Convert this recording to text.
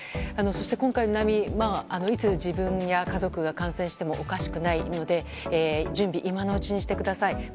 そして、今回の波いつ自分や家族が感染してもおかしくないので準備、今のうちにしてください。